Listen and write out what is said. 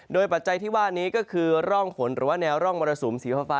โดยปัจจัยที่ว่านี้ก็คือร่องฝนหรือว่าแนวร่องมรสุมสีฟ้า